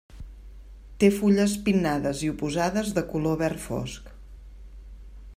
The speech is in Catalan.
Té fulles pinnades i oposades de color verd fosc.